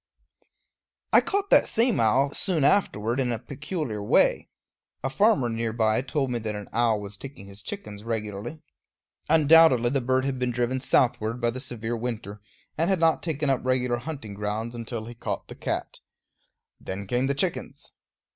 I caught that same owl soon after in a peculiar way. A farmer near by told me that an owl was taking his chickens regularly. Undoubtedly the bird had been driven southward by the severe winter, and had not taken up regular hunting grounds until he caught the cat. Then came the chickens.